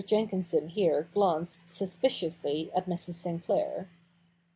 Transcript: Jenkinson here glanced suspiciously at Mrs. Sinclair.